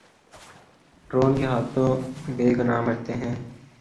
Drone کے ہاتھوں بے گناہ مرتے ہیں۔